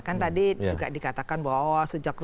kan tadi juga dikatakan bahwa sejak zaman soeharto